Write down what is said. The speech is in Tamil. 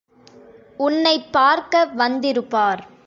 உன்னைப் பார்க்க வந்திருப்பார்.